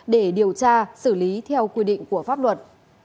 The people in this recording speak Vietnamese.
để điều tra xử lý theo quy định của pháp luật